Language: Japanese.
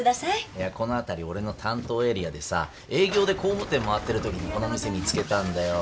いやこの辺り俺の担当エリアでさ営業で工務店回ってる時にこの店見つけたんだよ